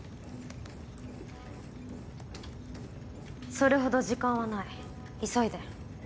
それほど時間はない急いで。